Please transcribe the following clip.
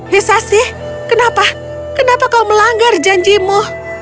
hisasih kenapa kenapa kau melanggar janjimu